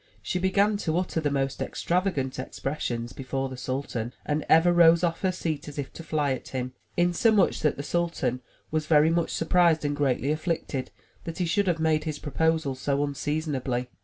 She began to utter the most extravagant expressions before the sultan and ever rose off her seat as if to fly at him; insomuch that the sultan was very SI MY BOOK HOUSE much surprised and greatly afflicted that he should have made his proposal so unseasonably.